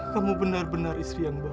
kamu benar benar istri yang baik